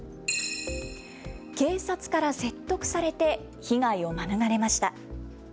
警察から説得されて被害を免れました。